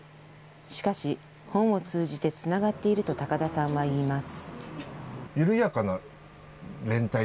しかし、本を通じてつながっていると高田さんは言います。